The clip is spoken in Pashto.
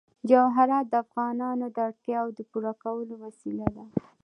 جواهرات د افغانانو د اړتیاوو د پوره کولو وسیله ده.